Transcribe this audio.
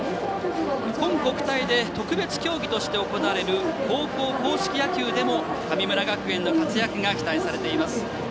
今国体で特別競技として行われる高校硬式野球でも神村学園の活躍が期待されています。